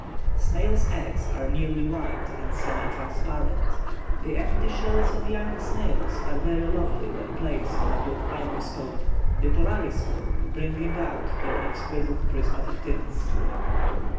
Snails' eggs are nearly white and semi transparent; the empty shells of young snails are very lovely when placed in a good microscope: the polariscope bringing out their exquisite prismatic tints.